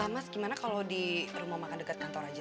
mas gimana kalau di rumah makan dekat kantor aja